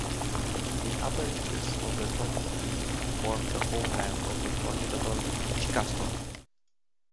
The upper reaches of the Tombigbee formed the homeland of the formidable Chickasaw.